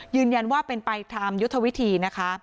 ยืนยันว่าเป็นไปตามยุทธวิธีนะคะ